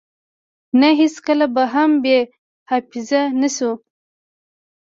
نه هیڅکله به هم بی حافظی نشو